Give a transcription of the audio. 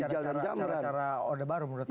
jadi cara cara orang baru menurut anda